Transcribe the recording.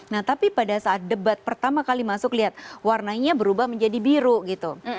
nah tapi pada saat debat pertama kali masuk lihat warnanya berubah menjadi biru gitu